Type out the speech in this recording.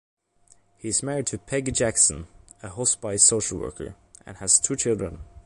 He is married to Peggy Jackson, a hospice social worker, and has two children.